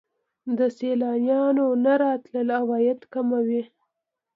د سیلانیانو نه راتلل عواید کموي.